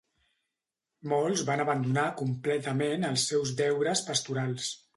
Molts van abandonar completament els seus deures pastorals.